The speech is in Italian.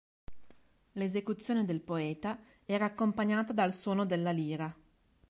L'esecuzione del poeta era accompagnata dal suono della lira.